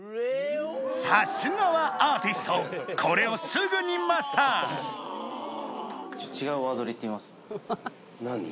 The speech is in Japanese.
さすがはアーティストこれをすぐにマスター何？